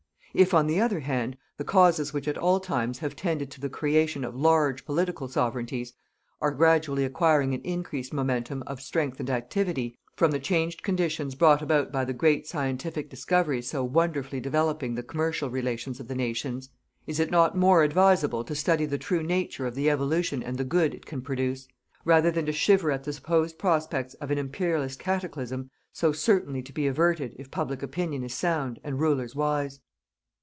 If, on the other hand, the causes which at all times have tended to the creation of large political sovereignties are gradually acquiring an increased momentum of strength and activity, from the changed conditions brought about by the great scientific discoveries so wonderfully developing the commercial relations of the nations, is it not more advisable to study the true nature of the evolution and the good it can produce, rather than to shiver at the supposed prospects of an Imperialist cataclysm so certainly to be averted if public opinion is sound and Rulers wise.